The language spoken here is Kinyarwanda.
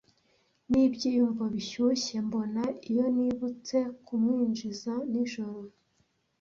Nibyiyumvo bishyushye mbona, iyo nibutse kumwinjiza nijoro.